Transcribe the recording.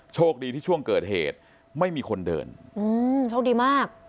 โชคดีที่ช่วงเกิดเหตุไม่มีคนเดินอืมโชคดีมาก